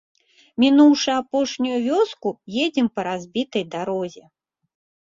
Мінуўшы апошнюю вёску, едзем па разбітай дарозе.